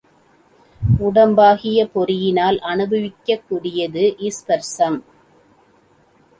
உடம்பாகிய பொறியினால் அநுபவிக்கக் கூடியது ஸ்பர்சம்.